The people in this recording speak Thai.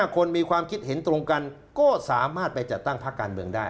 คนมีความคิดเห็นตรงกันก็สามารถไปจัดตั้งพักการเมืองได้